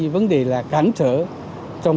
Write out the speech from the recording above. vấn đề là cản trở trong